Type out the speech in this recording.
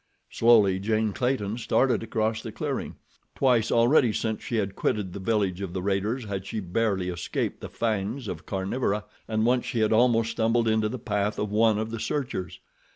Slowly Jane Clayton started across the clearing. Twice already since she had quitted the village of the raiders had she barely escaped the fangs of carnivora, and once she had almost stumbled into the path of one of the searchers.